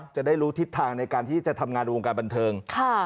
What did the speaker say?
จะได้รู้ทิศทางในการที่จะทำงานในวงการบันเทิง